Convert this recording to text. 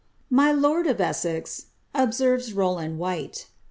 "My lord of Essex," observes Rowland Whyie.